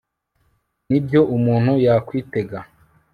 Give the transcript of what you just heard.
Nibyo umuntu yakwitega